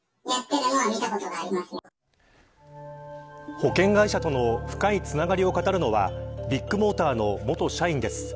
保険会社との深いつながりを語るのはビッグモーターの元社員です。